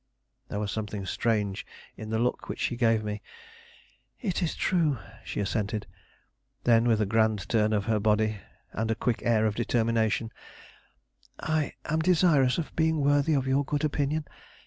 There was something strange in the look which she gave me. "It is true," she assented. Then, with a grand turn of her body, and a quick air of determination: "I am desirous of being worthy of your good opinion.